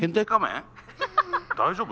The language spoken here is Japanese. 大丈夫？